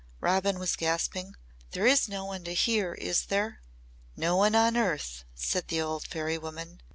Robin was gasping. "There is no one to hear, is there?" "No one on earth," said the old fairy woman.